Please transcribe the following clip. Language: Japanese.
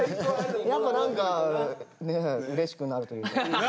やっぱ何かねうれしくなるというか。